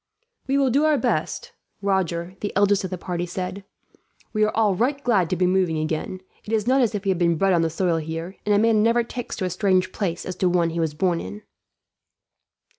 "We will do our best," Roger, the eldest of the party, said. "We are all right glad to be moving again. It is not as if we had been bred on the soil here, and a man never takes to a strange place as to one he was born in."